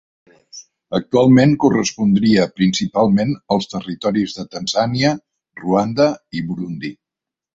Actualment correspondria principalment als territoris de Tanzània, Ruanda i Burundi.